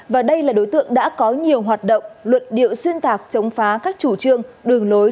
và đây là đối tượng đã có nhiều hoạt động luận điệu xuyên tạc chống phá các chủ trương đường lối